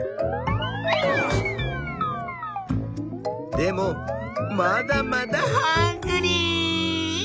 でもまだまだハングリー！